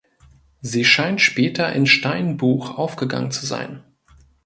Sie scheint später in Steinbuch aufgegangen zu sein.